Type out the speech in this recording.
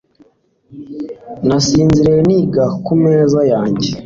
nasinziriye niga ku meza yanjye